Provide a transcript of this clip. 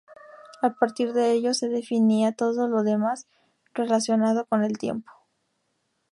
A partir de ellos se definía todo lo demás relacionado con el tiempo.